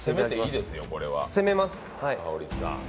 攻めます。